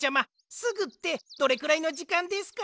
「すぐ」ってどれくらいのじかんですか？